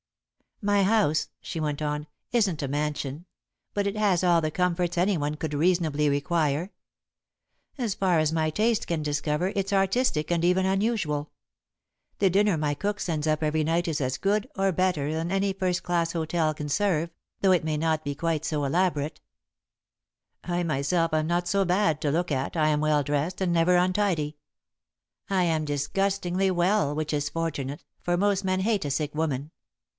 "My house," she went on, "isn't a mansion, but it has all the comforts anyone could reasonably require. As far as my taste can discover, it's artistic and even unusual. The dinner my cook sends up every night is as good, or better than any first class hotel can serve, though it may not be quite so elaborate. [Sidenote: The One Thing Lacking] "I myself am not so bad to look at, I am well dressed, and never untidy. I am disgustingly well, which is fortunate, for most men hate a sick woman.